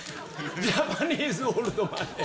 ジャパニーズオールドマネー。